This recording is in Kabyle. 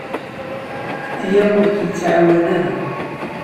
Aya ur k-yettɛawan ara.